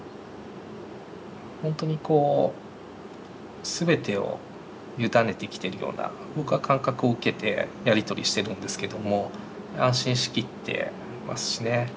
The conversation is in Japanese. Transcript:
本当にこうすべてを委ねてきているような僕は感覚を受けてやり取りしてるんですけども安心しきってますしね。